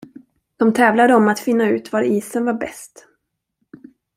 De tävlade om att finna ut var isen var bäst.